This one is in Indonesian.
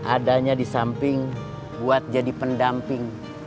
adanya di samping buat jadi pendamping